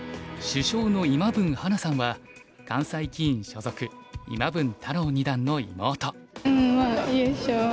主将の今分はなさんは関西棋院所属今分太郎二段の妹。